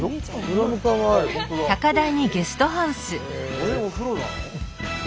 あれお風呂なの？